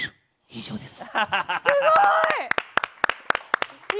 以上です。